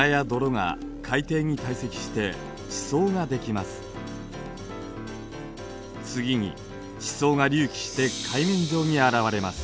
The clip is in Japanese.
まず次に地層が隆起して海面上にあらわれます。